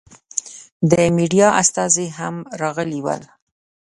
د مېډیا استازي هم راغلي ول.